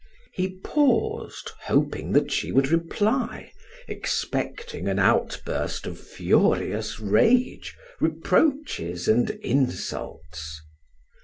He paused, hoping that she would reply, expecting an outburst of furious rage, reproaches, and insults.